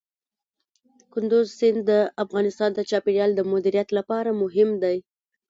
کندز سیند د افغانستان د چاپیریال د مدیریت لپاره مهم دی.